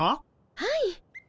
はい。